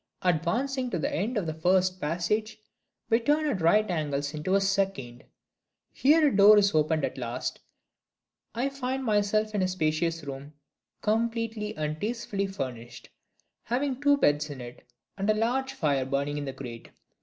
Advancing to the end of the first passage, we turn at right angles into a second. Here a door is opened at last: I find myself in a spacious room, completely and tastefully furnished, having two beds in it, and a large fire burning in the grate.